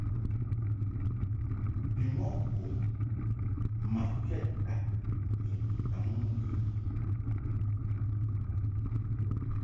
Bimɔʼ bun mmaʼkɛd dag ni mbaŋ mbɨ.